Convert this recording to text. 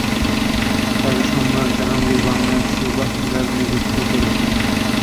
তাকে সম্রাট জাহাঙ্গীর বাংলার সুবাহদার নিযুক্ত করেছিলেন।